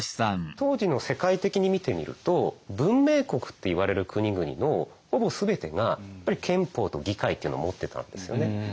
当時の世界的に見てみると文明国っていわれる国々のほぼ全てがやっぱり憲法と議会っていうのを持ってたんですよね。